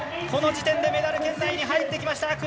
この時点でメダル圏内に入ってきました。